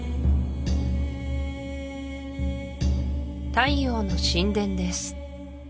太陽の神殿です